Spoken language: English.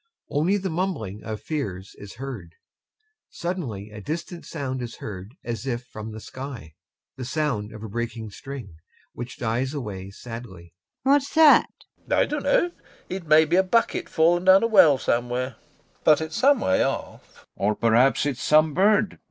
Only the mumbling of FIERS is heard. Suddenly a distant sound is heard as if from the sky, the sound of a breaking string, which dies away sadly.] LUBOV. What's that? LOPAKHIN. I don't know. It may be a bucket fallen down a well somewhere. But it's some way off. GAEV. Or perhaps it's some bird...